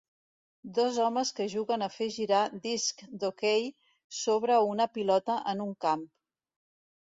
Dos homes que juguen a fer girar discs d'hoquei sobre una pilota en un camp.